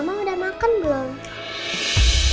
mama udah makan belum